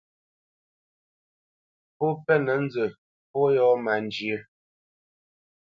Pó mpénə̄ nzə pó yɔ̂ má njyə́.